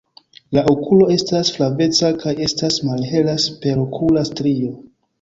La okulo estas flaveca kaj estas malhela superokula strio.